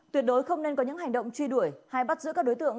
tuyệt đối không nên có những hành động truy đuổi hay bắt giữ các đối tượng